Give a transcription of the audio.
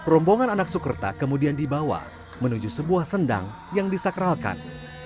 rombongan anak sukerta kemudian dibawa menuju sebuah sendang yang disakralkan